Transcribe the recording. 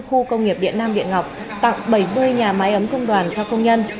khu công nghiệp điện nam điện ngọc tặng bảy mươi nhà máy ấm công đoàn cho công nhân